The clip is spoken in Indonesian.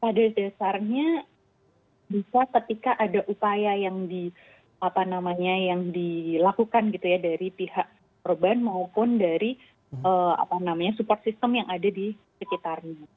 pada dasarnya bisa ketika ada upaya yang dilakukan dari pihak korban maupun dari support system yang ada di sekitarnya